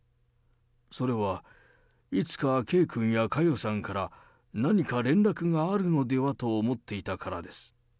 それは、いつか圭君や佳代さんから何か連絡があるのではと思っていたからです。